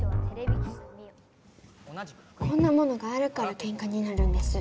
こんなものがあるからケンカになるんです。